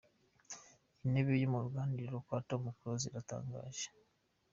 Iyi ntebe yo mu ruganiriro kwa Tom Close iratangaje.